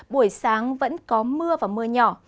buổi sáng vẫn có mưa và mưa nhỏ